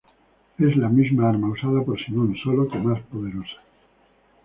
Es la misma arma usada por Simon, solo que más poderosa.